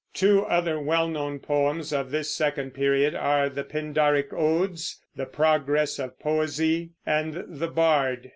Two other well known poems of this second period are the Pindaric odes, "The Progress of Poesy" and "The Bard."